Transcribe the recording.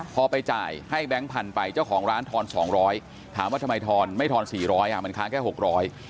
พอไปจ่ายให้แบงค์ผันไปเจ้าของร้านทอน๒๐๐บาทถามว่าทำไมทอนไม่ทอน๔๐๐บาทมันค้างแค่๖๐๐บาท